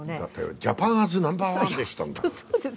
ジャパン・アズ・ナンバーワンでしたもん。